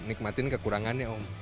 nikmatin kekurangannya om